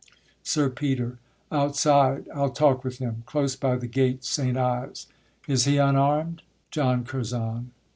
SIR PETER. Outside, I'll talk with him, close by the gate St. Ives. Is he unarm'd? JOHN CURZON.